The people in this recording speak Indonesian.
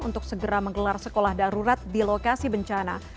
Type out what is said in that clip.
untuk segera menggelar sekolah darurat di lokasi bencana